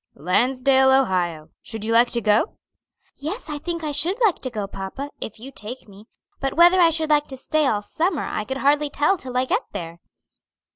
"Lansdale, Ohio. Should you like to go?" "Yes, I think I should like to go, papa, if you take me; but whether I should like to stay all summer I could hardly tell till I get there."